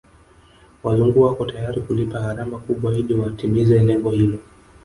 Wazungu wako tayari kulipa gharama kubwa ili watimize lengo hilo